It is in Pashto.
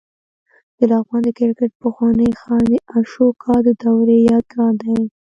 د لغمان د کرکټ پخوانی ښار د اشوکا د دورې یادګار دی